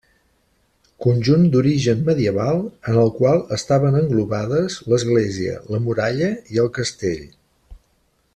Conjunt d'origen medieval en el qual estaven englobades l'església, la muralla i el castell.